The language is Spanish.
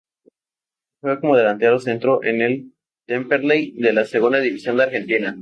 Juega como delantero centro en el Temperley de la Segunda División de Argentina.